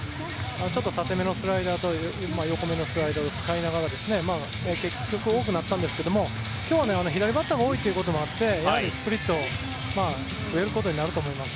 ちょっと縦めのスライダーと横めのスライダーを使いつつ結局、多くなったんですが今日は左バッターが多いこともあってスプリットが増えることになると思います。